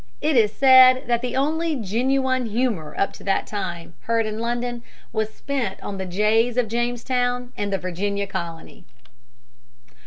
It is said that the only genuine humor up to that time heard in London was spent on the jays of Jamestown and the Virginia colony.